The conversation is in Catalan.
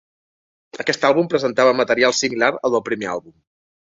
Aquest àlbum presentava material similar al del primer àlbum.